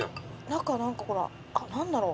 中何かほら何だろう？